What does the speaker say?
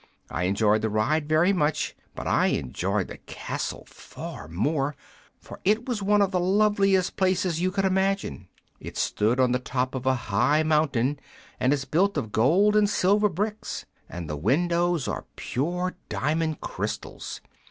I enjoyed the ride very much, but I enjoyed the castle far more; for it was one of the loveliest places you could imagine. It stood on the top of a high mountain and is built of gold and silver bricks, and the windows are pure diamond crystals.